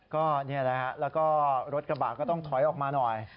ก็นี่แหละฮะแล้วก็รถกระบะก็ต้องถอยออกมาหน่อย